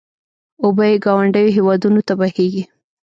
اوبه یې ګاونډیو هېوادونو ته بهېږي.